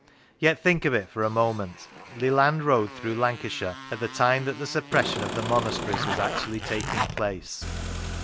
Yet think of it for a moment ! Leland rode through Lancashire at the time that the suppression of the monasteries was actually taking place.